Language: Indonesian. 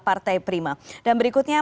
partai prima dan berikutnya